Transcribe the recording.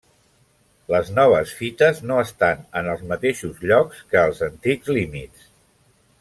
Les noves fites no estan en els mateixos llocs que els antics límits.